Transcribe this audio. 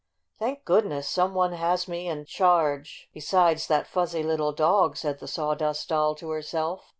" Thank goodness some one has me in charge besides that fuzzy little dog!" said the S awdust Doll to herself.